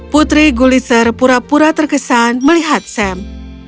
putri guliser pura pura terkesan melihat sam